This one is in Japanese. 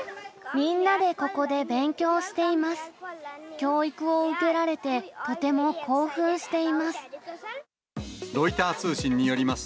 みんなでここで勉強しています。